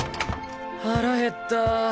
腹減ったァ。